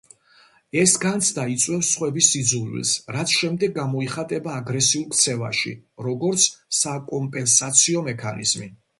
ეს განცდა იწვევს სხვების სიძულვილს, რაც შემდეგ გამოიხატება აგრესიულ ქცევაში, როგორც საკომპენსაციო მექანიზმი.